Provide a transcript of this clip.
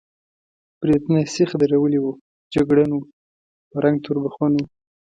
برېتونه یې سېخ درولي وو، جګړن و، په رنګ تور بخون و.